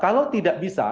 kalau tidak bisa